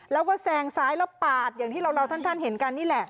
แล้วปาดอย่างที่เราท่านเห็นกันนี่แหละ